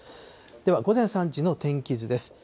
では、午前３時の天気図です。